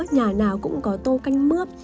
nhà nào cũng có tô canh mướp